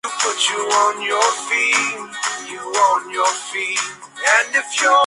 Este pasaje desemboca probablemente en una cripta de culto.